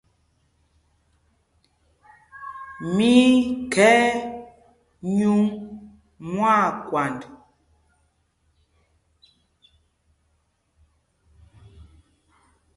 Mí í khɛ̌y nyûŋ mwâkwand.